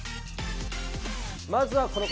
まずはこの方。